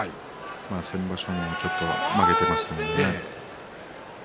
先場所もちょっと負けていますので。